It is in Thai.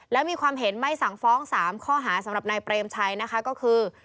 แล้วมีความเห็นไม่สั่งฟ้อง๓ข้อหาสำหรับนายเปรมชัยนะคะก็คือ